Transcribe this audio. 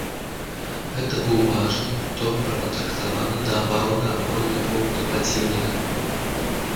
Гэта быў важны, добра падрыхтаваны да абароны апорны пункт праціўніка.